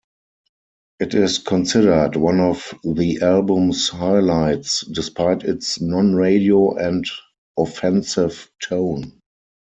It is considered one of the album's highlights despite its non-radio and offensive tone.